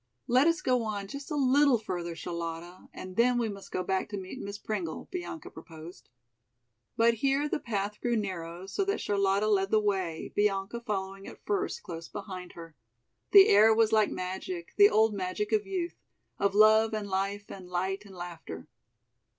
"Let us go on just a little further, Charlotta, and then we must go back to meet Miss Pringle," Bianca proposed. But here the path grew narrow so that Charlotta led the way, Bianca following at first close behind her. The air was like magic, the old magic of youth, "of love and life and light and laughter."